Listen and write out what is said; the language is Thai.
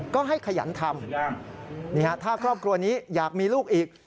ก็ให้ขยันทำถ้าครอบครัวนี้อยากมีลูกอีก